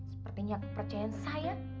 sepertinya kepercayaan saya